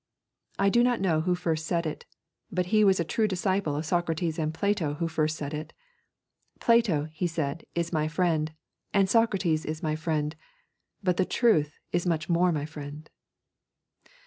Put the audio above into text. I do not know who first said it, but he was a true disciple of Socrates and Plato who first said it. 'Plato,' he said, 'is my friend, and Socrates is my friend, but the truth is much more my friend.'